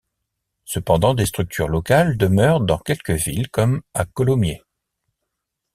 Cependant des structures locales demeurent dans quelques villes comme à Colomiers.